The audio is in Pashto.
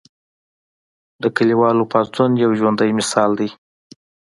د کلیوالو پاڅون یو ژوندی مثال دی.